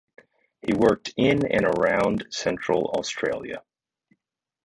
He worked in and around Central Australia.